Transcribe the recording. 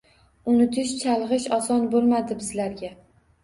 Unutish, chalgʻish oson boʻlmadi bizlarga.